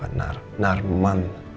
kalau nggak salah narman